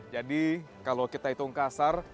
jadi kalau kita hitung kasar